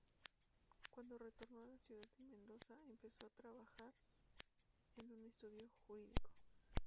Cuando retornó a la ciudad de Mendoza, empezó a trabajar en un estudio jurídico.